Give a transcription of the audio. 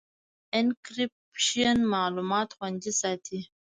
انکریپشن معلومات خوندي ساتي.